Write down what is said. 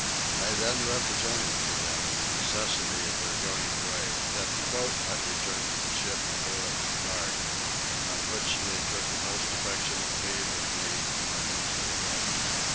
I then represented to them the necessity of their going away, that the boat might return to the ship before it was dark, on which they took a most affectionate leave of me and went into the boat.